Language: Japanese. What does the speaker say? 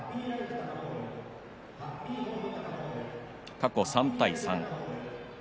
過去、３対３。